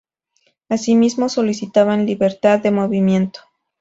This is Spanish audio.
Asimismo, solicitaban libertad de movimiento.